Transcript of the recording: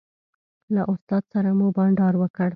له استاد سره مو بانډار وکړ.